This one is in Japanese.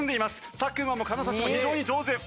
作間も金指も非常に上手。